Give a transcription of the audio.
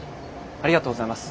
ありがとうございます。